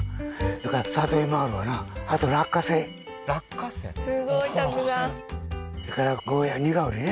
それから里芋あるわなあと落花生落花生すごいたくさんそれからゴーヤにがうりね